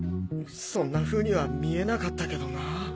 そんな風には見えなかったけどなぁ。